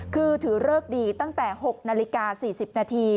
คือถือเลิกดีตั้งแต่๖นาฬิกา๔๐นาที